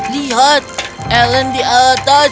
lihat alen di atas